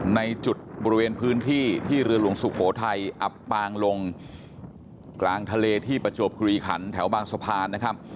ในจุดบริเวณพื้นที่ที่เรือหลวงสุโขทัยอับปางลงกลางทะเลที่ประจวบคลีขันแถวบางสะพานนะครับ